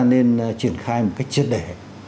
nên triển khai một cách truyệt để